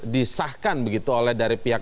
disahkan begitu oleh dari pihak